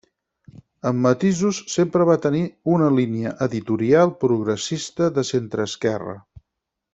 Amb matisos sempre va tenir una línia editorial progressista de centreesquerra.